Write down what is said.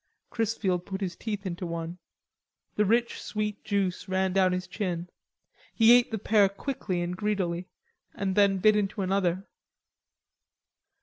Chrisfield put his teeth into one. The rich sweet juice ran down his chin. He ate the pear quickly and greedily, and then bit into another.